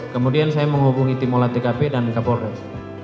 kemudian saya menghubungi timulat tkp dan kapolres